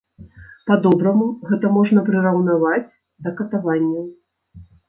Па-добраму, гэта можна прыраўнаваць да катаванняў.